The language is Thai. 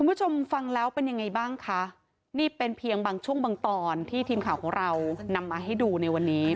คุณผู้ชมฟังแล้วเป็นยังไงบ้างคะนี่เป็นเพียงบางช่วงบางตอนที่ทีมข่าวของเรานำมาให้ดูในวันนี้